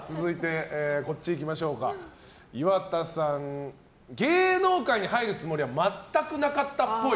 続いて、岩田さん芸能界に入るつもりは全くなかったっぽい。